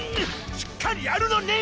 しっかりやるのねん！